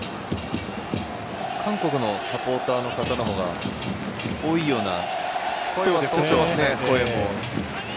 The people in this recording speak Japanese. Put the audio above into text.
韓国のサポーターの方のほうが多いような。